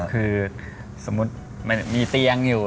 คือสมมุติมันมีเตียงอยู่